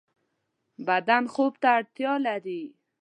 بدن خوب ته اړتیا لری